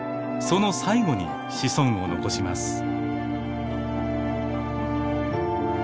その最後に子孫を残します。